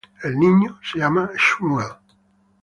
El niño se llama Shmuel.